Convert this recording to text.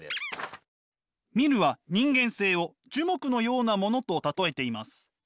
ミルは人間性を樹木のようなものと例えています。